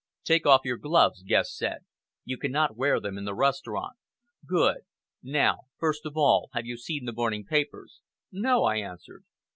"Take off your gloves," Guest said. "You cannot wear them in the restaurant. Good! Now, first of all, have you seen the morning papers?" "No!" I answered.